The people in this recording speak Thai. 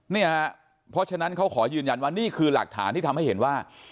เนี่ยเพราะฉะนั้นเขาขอยืนยันว่านี่คือหลักฐานที่ทำให้เห็นว่า